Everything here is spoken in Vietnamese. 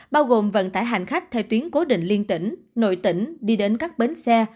bao gồm vận tải hành khách theo tuyến cố định liên tỉnh nội tỉnh đi đến các bến xe